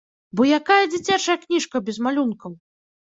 Бо якая дзіцячая кніжка без малюнкаў?